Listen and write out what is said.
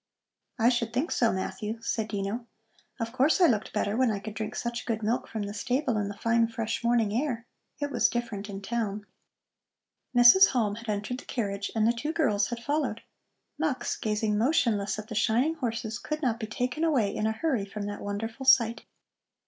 "I should think so, Matthew," said Dino. "Of course, I looked better when I could drink such good milk from the stable, in the fine, fresh morning air. It was different in town." Mrs. Halm had entered the carriage and the two girls had followed. Mux, gazing motionless at the shining horses, could not be taken away in a hurry from that wonderful sight.